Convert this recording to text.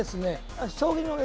将棋のね